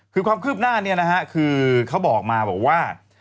ความคืบหน้าของคุณคือก็บอกมาแบบว่า